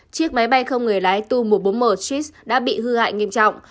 chiếc máy bay không người lái tu một trăm bốn mươi một tis đã bị hư hại nghiêm trọng